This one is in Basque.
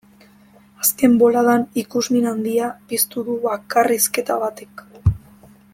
Azken boladan ikusmin handia piztu du bakarrizketa batek.